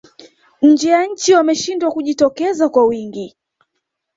nje ya nchi wameshindwa kujitokeza kwa wingi